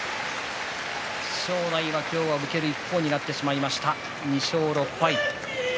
正代は今日受ける一方になってしまいました２勝６敗。